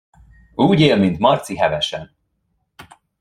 Úgy él, mint Marci Hevesen.